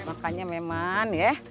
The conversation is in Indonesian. makanya memang ya